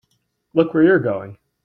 Look where you're going!